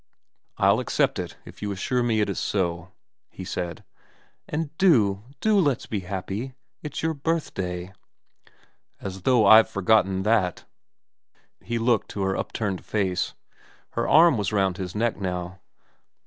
' I'll accept it if you assure me it is so,' he said. ' And do, do let's be happy. It's your birthday '' As though I've forgotten that.' He looked at her upturned face ; her arm was round his neck now.